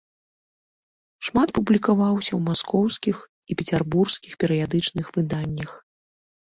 Шмат публікаваўся ў маскоўскіх і пецярбургскіх перыядычных выданнях.